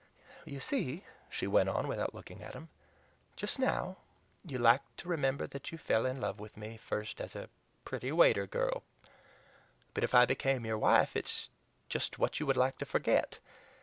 "You see," she went on, without looking at him, "just now you like to remember that you fell in love with me first as a pretty waiter girl, but if I became your wife it's just what you would like to FORGET.